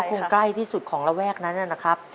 คงใกล้ที่สุดของระแวกนั้นนะครับ